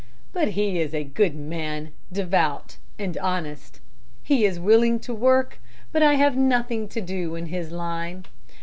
But he is a good man, devout and honest. He is willing to work, but I have nothing to do in his line.